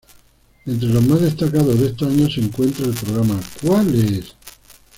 Entre lo más destacado de estos años, se encuentra el programa "¿Cuál es?